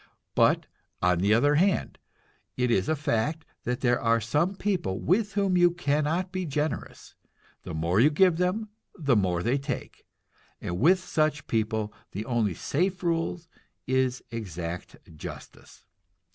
But on the other hand, it is a fact that there are some people with whom you cannot be generous; the more you give them, the more they take, and with such people the only safe rule is exact justice.